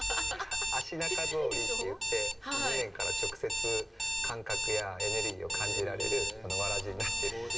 足半草履っていって、地面から直接、感覚やエネルギーを感じられる、わらじになってるんです。